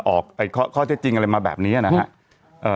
ออกคข้อใช้จริงอะไรมาแบบนี้นะฮะ